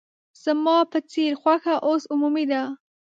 زما په څېر خوښه اوس عمومي ده.